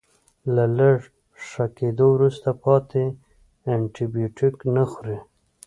له لږ ښه کیدو وروسته پاتې انټي بیوټیک نه خوري.